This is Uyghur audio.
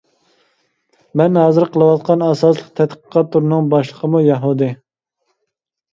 مەن ھازىر قىلىۋاتقان ئاساسلىق تەتقىقات تۈرىنىڭ باشلىقىمۇ يەھۇدىي.